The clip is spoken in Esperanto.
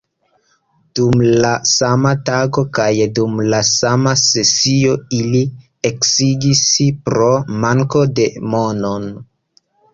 Dum la sama tago kaj dum la sama sesio, ili eksigis"—pro manko de mono!